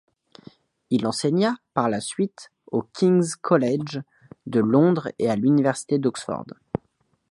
Il enseigna par la suite au King's College de Londres et à l'université d'Oxford.